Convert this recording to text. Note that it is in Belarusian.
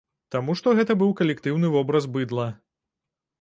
Таму што гэта быў калектыўны вобраз быдла.